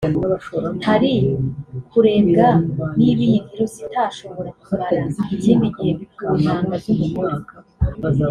hari kurebwa niba iyi virus itashobora kumara ikindi gihe mu ntanga z’umugore